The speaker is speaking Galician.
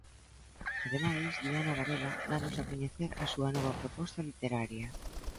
Ademais, Diana Varela danos a coñecer a súa nova proposta literaria.